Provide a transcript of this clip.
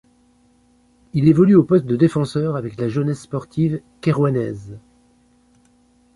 Il évolue au poste de défenseur avec la Jeunesse sportive kairouanaise.